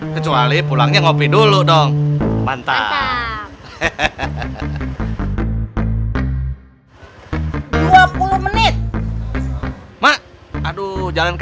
kecuali pulangnya ngopi dulu dan yaudah lah